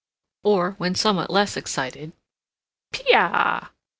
or, when somewhat less excited, "Pee ah!"